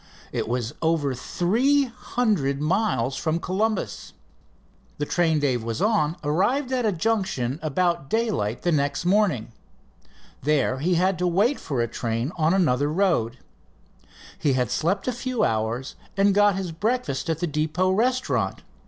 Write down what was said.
It was over three hundred miles from Columbus. The train Dave was on arrived at a junction about daylight the next morning. There he had to wait for a train on another road. He had slept a few hours and got his breakfast at the depot restaurant.